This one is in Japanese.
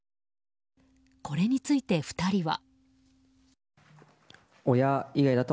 これについて２人は。